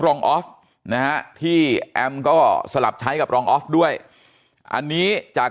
ออฟนะฮะที่แอมก็สลับใช้กับรองออฟด้วยอันนี้จาก